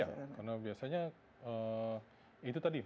ya karena biasanya itu tadi